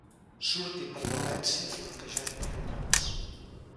Surti per València flanquejat per romans.